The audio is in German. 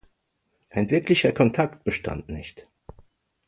Ein wirklicher Kontakt bestand nicht.